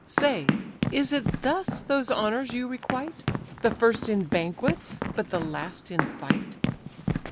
Say, is it thus those honours you requite? The first in banquets, but the last in fight."